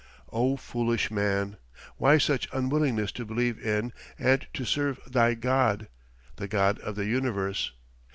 "'O foolish man! why such unwillingness to believe in and to serve thy God, the God of the Universe?